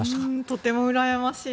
とてもうらやましい。